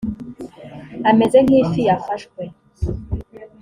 ameze nk ifi yafashwe